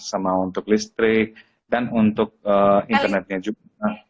sama untuk listrik dan untuk internetnya juga